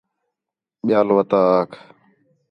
ٻیال وتا آکھ